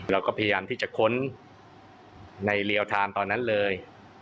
เราก็พยายามที่จะค้นในเรียลไทม์ตอนนั้นเลย